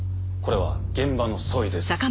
これは現場の総意です。